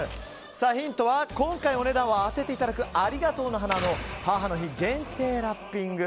ヒントは今回お値段を当てていただくありがとうの花の母の日限定ラッピング。